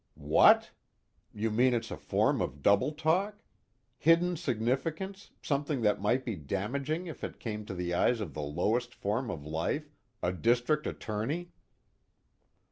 "What? you mean it's a form of doubletalk? Hidden significance, something that might be damaging if it came to the eyes of that lowest form of life, a district attorney?"